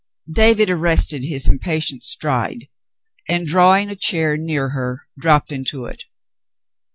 David arrested his impatient stride and, drawing a chair near her, dropped into it.